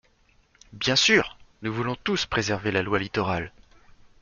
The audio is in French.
Bien sûr ! Nous voulons tous préserver la loi Littoral.